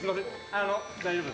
あの大丈夫。